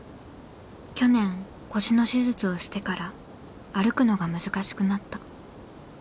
去年腰の手術をしてから歩くのが難しくなった。